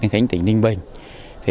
khánh tỉnh ninh bình